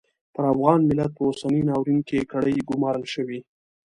پر افغان ملت په اوسني ناورین کې کړۍ ګومارل شوې.